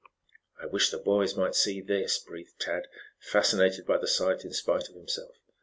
"I wish the boys might see this," breathed Tad, fascinated by the sight in spite of himself.